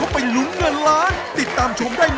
สังคม